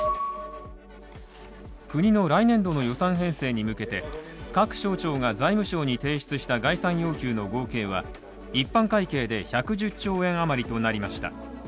国の来年度の予算編成に向けて各省庁が財務省に提出した概算要求の合計は一般会計で１１０兆円あまりとなりました。